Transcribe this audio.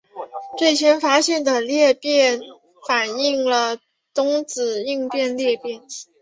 最先发现的裂变反应是由中子引发的裂变。